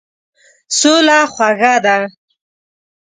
سوله خوږه ده.